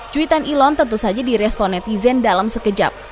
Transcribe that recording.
cuitan elon tentu saja direspon netizen dalam sekejap